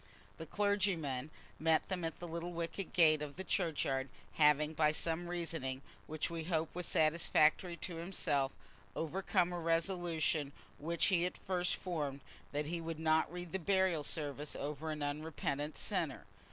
The clergyman met them at the little wicket gate of the churchyard, having, by some reasoning, which we hope was satisfactory to himself, overcome a resolution which he at first formed, that he would not read the burial service over an unrepentant sinner.